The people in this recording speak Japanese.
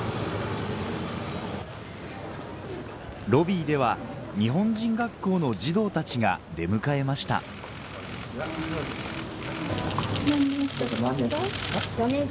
ロビーでは日本人学校の児童たちが出迎えました４年生。